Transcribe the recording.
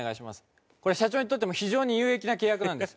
これは社長にとっても非常に有益な契約なんです。